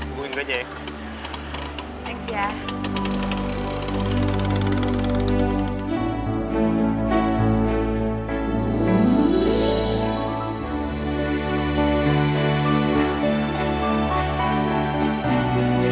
nungguin gue aja ya